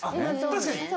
確かに。